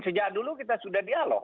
sejak dulu kita sudah dialog